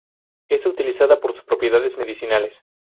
Es utilizada por sus propiedades medicinales.